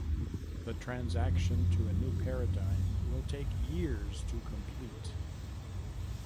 The transaction to a new paradigm will take years to complete.